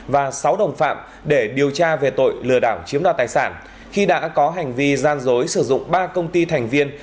và sáu đồng phạm để điều tra về tội lừa đảo chiếm đoạt tài sản khi đã có hành vi gian dối sử dụng ba công ty thành viên